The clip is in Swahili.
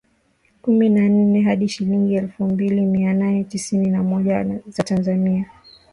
kumi na nne hadi shilingi efu mbili mia nane sitini na moja za Tanzania